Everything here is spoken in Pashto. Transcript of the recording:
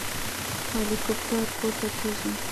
هليكاپټر پورته کېږي.